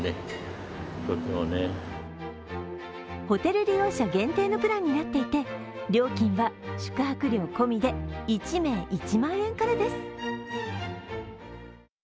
ホテル利用者限定のプランになっていて、料金は宿泊料込みで１名１万円からです。